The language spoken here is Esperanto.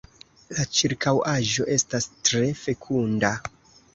La ĉirkaŭaĵo estas tre fekunda.